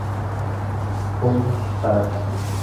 Jun Tanaka